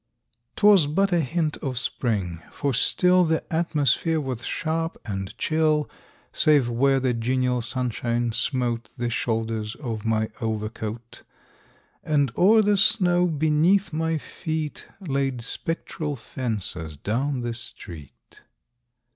] 'Twas but a hint of Spring for still The atmosphere was sharp and chill Save where the genial sunshine smote The shoulders of my overcoat, And o'er the snow beneath my feet Laid spectral fences down the street.